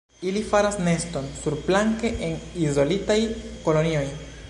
Ili faras neston surplanke en izolitaj kolonioj.